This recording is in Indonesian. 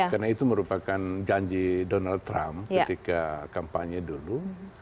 karena itu merupakan janji donald trump ketika kampanye dulu